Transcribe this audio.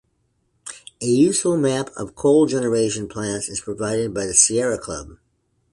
A useful map of coal generation plants is provided by the Sierra Club.